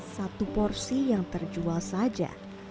satu porsi yang terjual saja